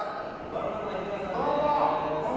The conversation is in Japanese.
バナナマン日村さんです。